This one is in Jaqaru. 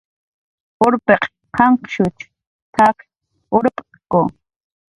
"Urpiq qanqshuch t""ak urpt'ku"